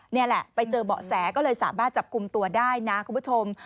นี่แหละไปเจอเบาะแสก็เลยสามารถจับกลุ่มตัวได้นะคุณผู้ชม